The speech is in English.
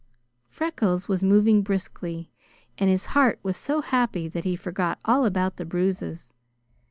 Freckles was moving briskly, and his heart was so happy that he forgot all about the bruises.